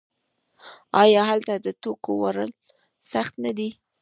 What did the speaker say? آیا هلته د توکو وړل سخت نه دي؟